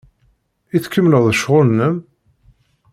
I tkemmleḍ ccɣel-nnem?